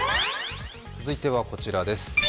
続いてはこちらです。